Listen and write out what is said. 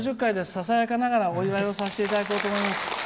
ささやかながらお祝いをさせていただこうと思います。